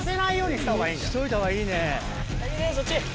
しといたほうがいいね。